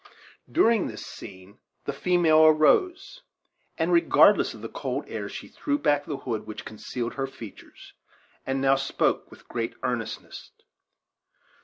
During this scene the female arose, and regardless of the cold air, she threw back the hood which concealed her features, and now spoke, with great earnestness.